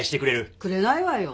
くれないわよ。